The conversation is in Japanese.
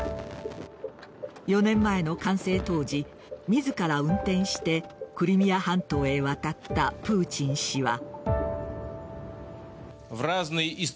４年前の完成当時自ら運転してクリミア半島へ渡ったプーチン氏は。